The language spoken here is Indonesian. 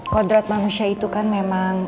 kodrat manusia itu kan memang